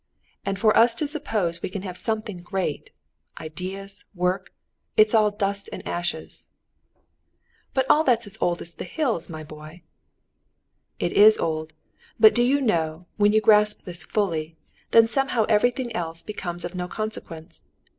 And for us to suppose we can have something great—ideas, work—it's all dust and ashes." "But all that's as old as the hills, my boy!" "It is old; but do you know, when you grasp this fully, then somehow everything becomes of no consequence.